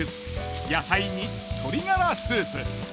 野菜に鶏ガラスープ。